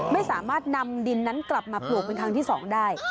ไม่สามารถนำดินนั้นกลับมาปลูกเป็นครั้งที่๒ได้